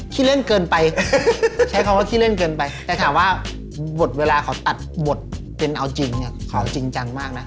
ขี้เล่นเกินไปใช้คำว่าขี้เล่นเกินไปแต่ถามว่าบทเวลาเขาตัดบทเป็นเอาจริงเนี่ยเขาจริงจังมากนะ